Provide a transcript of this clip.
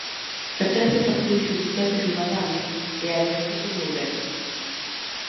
Pertence ao partido xudicial de Ribadavia e á diocese de Ourense.